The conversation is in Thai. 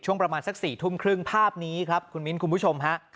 ประมาณสัก๔ทุ่มครึ่งภาพนี้ครับคุณมิ้นคุณผู้ชมฮะ